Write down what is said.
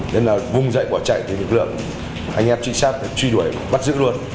nên là vung dậy bỏ chạy từ lực lượng